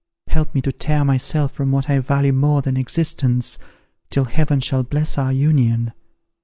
Help me to tear myself from what I value more than existence, till Heaven shall bless our union.